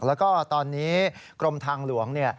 แล้วก็ตอนนี้กรมทางหลวง